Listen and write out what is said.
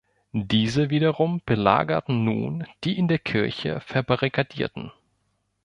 Diese wiederum belagerten nun die in der Kirche Verbarrikadierten.